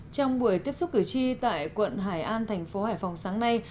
trong buổi tiếp xúc cử tri tại quận hải an thành phố hải phòng sáng nay